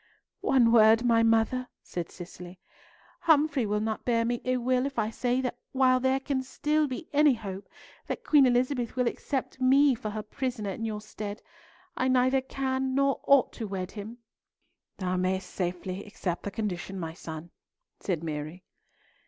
"One word, my mother," said Cicely. "Humfrey will not bear me ill will if I say that while there can still be any hope that Queen Elizabeth will accept me for her prisoner in your stead, I neither can nor ought to wed him." "Thou mayst safely accept the condition, my son," said Mary.